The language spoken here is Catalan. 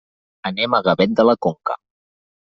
Anem a Gavet de la Conca.